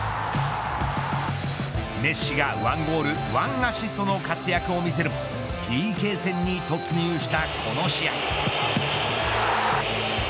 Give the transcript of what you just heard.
メッシが１ゴール、１アシストの活躍を見せるもＰＫ戦に突入したこの試合。